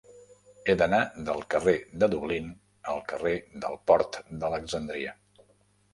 He d'anar del carrer de Dublín al carrer del Port d'Alexandria.